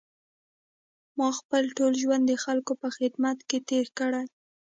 ما خپل ټول ژوند د خلکو په خدمت کې تېر کړی.